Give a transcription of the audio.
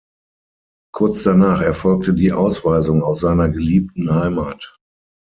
Kurz danach erfolgte die Ausweisung aus seiner geliebten Heimat.